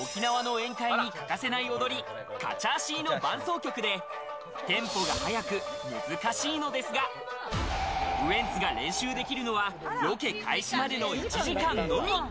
沖縄の宴会に欠かせない踊りカチャーシーの伴奏曲でテンポが速く難しいのですが、ウエンツが練習できるのはロケ開始までの１時間のみ。